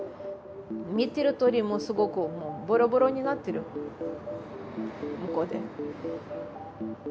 見てるとおり、もうすごくぼろぼろになってる、向こうで。